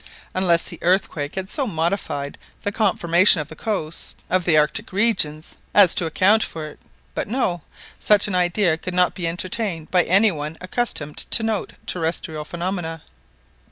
Unless the earthquake had so modified the conformation of the coast of the Arctic regions as to account for it but no, such an idea could not be entertained by any one accustomed to note terrestrial phenomena.